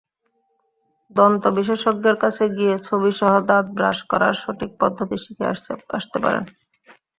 দন্তবিশেষজ্ঞের কাছে গিয়ে ছবিসহ দাঁত ব্রাশ করার সঠিক পদ্ধতি শিখে আসতে পারেন।